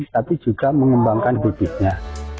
tapi juga mengembangkan budinya